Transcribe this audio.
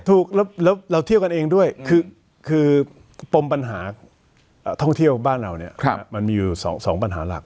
ถูกแล้วเราเที่ยวกันเองด้วยคือปมปัญหาท่องเที่ยวบ้านเราเนี่ยมันมีอยู่๒ปัญหาหลัก